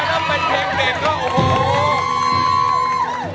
โอเคค่ะมา